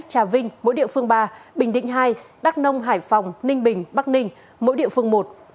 trà vinh mỗi địa phương ba bình định hai đắk nông hải phòng ninh bình bắc ninh mỗi địa phương một